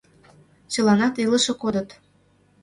Чыланат илыше кодыт.